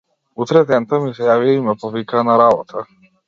Утредента ми се јавија и ме повикаа на работа.